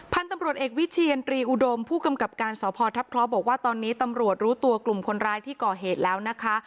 พันธุ์ตำรวจเอกวิเชียนตรีอุดมผู้กำกับการสพทัพเคราะห์บอกว่าตอนนี้ตำรวจรู้ตัวกลุ่มคนร้ายที่ก่อเหตุแล้วนะคะ